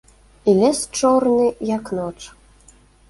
І лес чорны, як ноч.